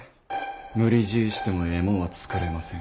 無理強いしてもええもんは作れません。